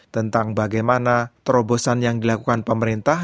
tentang bagaimana terobosan yang dilakukan pemerintah